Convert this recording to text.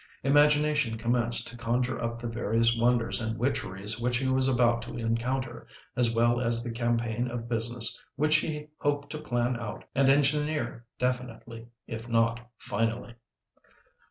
Imagination commenced to conjure up the various wonders and witcheries which he was about to encounter, as well as the campaign of business which he hoped to plan out and engineer definitely, if not finally.